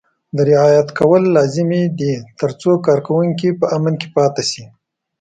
دا رعایت کول لازمي دي ترڅو کارکوونکي په امن کې پاتې شي.